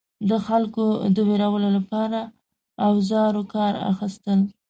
د خلکو د ویرولو لپاره اوزارو کار اخیستل.